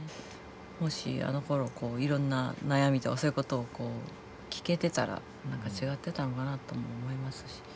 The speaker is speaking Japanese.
もしあのころいろんな悩みとかそういうことを聞けてたらなんか違ってたのかなとも思いますし。